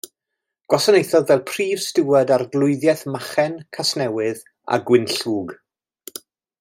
Gwasanaethodd fel Prif Stiward Arglwyddiaeth Machen, Casnewydd a Gwynllŵg.